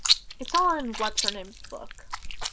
It's all in what's-her-name's book.